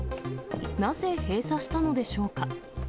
なぜ閉鎖したのでしょうか。